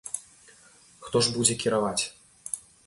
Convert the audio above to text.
Хто ж будзе кіраваць?